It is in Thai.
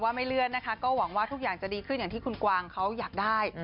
ไม่เลื่อนนะคะก็หวังว่าทุกอย่างจะดีขึ้นอย่างที่คุณกวางเขาอยากได้